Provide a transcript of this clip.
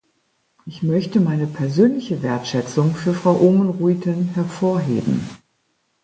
Ich möchte meine persönliche Wertschätzung für Frau Oomen-Ruijten hervorheben.